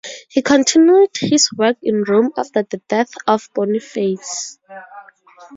He continued his work in Rome after the death of Boniface.